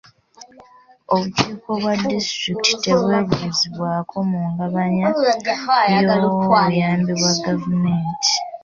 Obukiiko bw'oku disitulikiti tebwebuuzibwako mu ngabanya y'obuyambi bwa gavumenti.